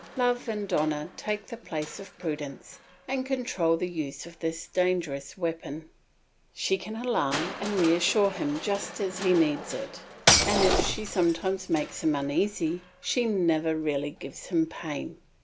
Love and honour take the place of prudence and control the use of this dangerous weapon. She can alarm and reassure him just as he needs it; and if she sometimes makes him uneasy she never really gives him pain.